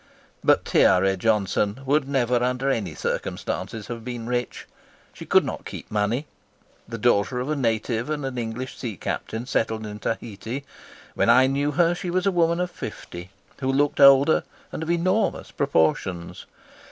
But Tiare Johnson would never under any circumstances have been rich. She could not keep money. The daughter of a native and an English sea captain settled in Tahiti, when I knew her she was a woman of fifty, who looked older, and of enormous proportions.